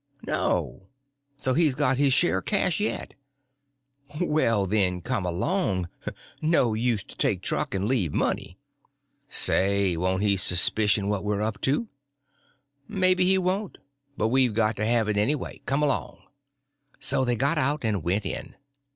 "No. So he's got his share o' the cash yet." "Well, then, come along; no use to take truck and leave money." "Say, won't he suspicion what we're up to?" "Maybe he won't. But we got to have it anyway. Come along." So they got out and went in.